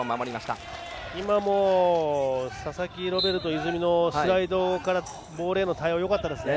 今も佐々木ロベルト泉のスライドからボールへの対応よかったですね。